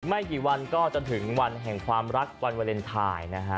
ไม่กี่วันก็จะถึงวันแห่งความรักวันวาเลนไทยนะฮะ